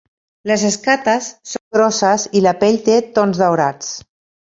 Les escates són grosses i la pell té tons daurats.